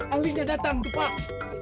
anjingnya datang tuh pak